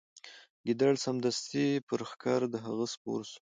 ګیدړ سمدستي پر ښکر د هغه سپور سو